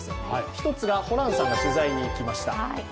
１つがホランさんが取材に行きました、